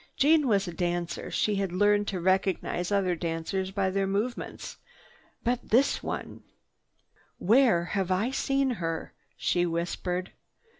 Jeanne was a dancer. She had learned to recognize other dancers by their movements. But this one— "Where have I seen her?" she whispered.